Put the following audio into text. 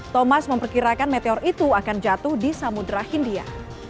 thomas memperkirakan meteor itu akan jatuh di samudera hindia